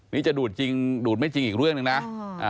นี่จะดูดจริงดูดไม่จริงอีกเรื่องหนึ่งนะ